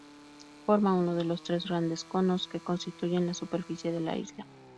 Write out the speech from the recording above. Forma uno de los tres grandes conos que constituyen la superficie de la isla.